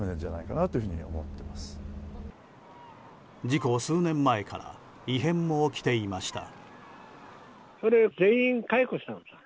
事故数年前から異変も起きていました。